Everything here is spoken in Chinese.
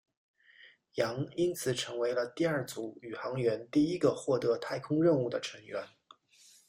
杨因此成为了第二组宇航员第一个获得太空任务的成员。